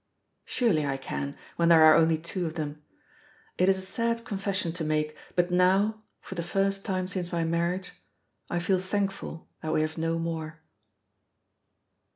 Surely I can, when there are only two of them. It is a sad confession to make, but now, for the first time since my marriage, I feel thankful that we have no more.